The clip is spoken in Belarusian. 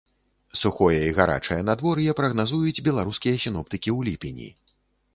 Сухое і гарачае надвор'е прагназуюць беларускія сіноптыкі ў ліпені.